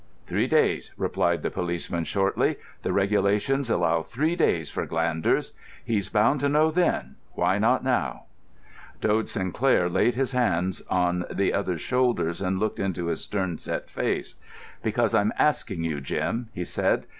"Three days," replied the policeman shortly. "The regulations allow three days for glanders. He's bound to know then—why not now?" Dode Sinclair laid his hands on the other's shoulders and looked into his stern set face. "Because I'm asking you, Jim," he said.